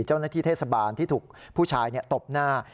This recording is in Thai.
เจ้าหน้าที่เทศบาลที่ถูกผู้ชายตบหน้า